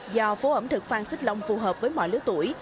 do phố ẩm thực phan xích long phù hợp với mọi lứa tuổi